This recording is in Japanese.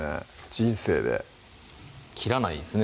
人生で切らないですね